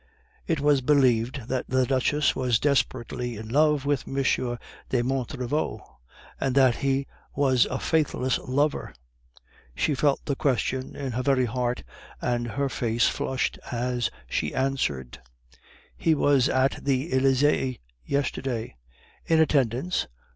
It was believed that the Duchess was desperately in love with M. de Montriveau, and that he was a faithless lover; she felt the question in her very heart, and her face flushed as she answered: "He was at the Elysee yesterday." "In attendance?"